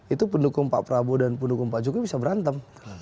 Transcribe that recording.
itu pendukung pak prabowo dan pendukung pak jokowi bisa berantem